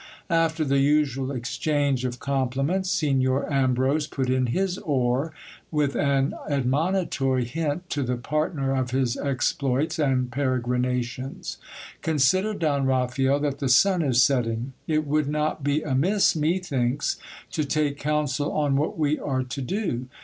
After the usual exchange of compli ments, Signor Ambrose put in his oar, with an admonitory hint to the partner of his exploits and peregrinations. Consider, Don Raphael, that the sun is setting. It would not be amiss, methinks, to take counsel on what we are to do.